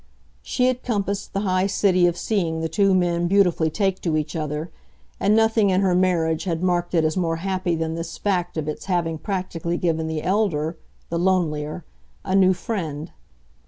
She had compassed the high city of seeing the two men beautifully take to each other, and nothing in her marriage had marked it as more happy than this fact of its having practically given the elder, the lonelier, a new friend.